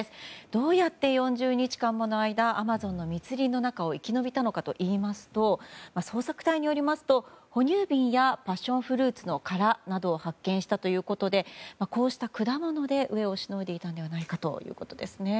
どうやって４０日間もの間アマゾンの密林の中を生き延びたのかといいますと捜索隊によりますと哺乳瓶やパッションフルーツの殻などを発見したということでこうした果物で飢えをしのいでいたのではないかということです。